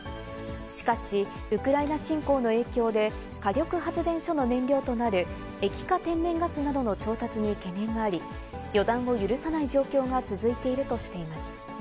しかし、ウクライナ侵攻の影響で、火力発電所の燃料となる液化天然ガスなどの調達に懸念があり、予断を許さない状況が続いているとしています。